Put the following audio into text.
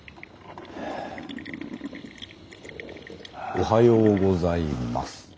おはようございます。